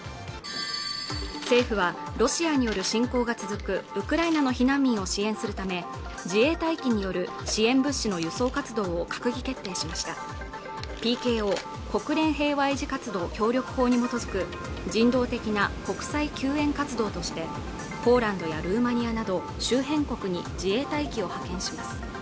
政府はロシアによる侵攻が続くウクライナの避難民を支援するため自衛隊機による支援物資の輸送活動を閣議決定しましたＰＫＯ＝国連平和維持活動協力法に基づく人道的な国際救援活動としてポーランドやルーマニアなど周辺国に自衛隊機を派遣します